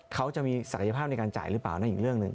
เขาจะมีศักยภาพในการจ่ายหรือเปล่านั่นอีกเรื่องหนึ่ง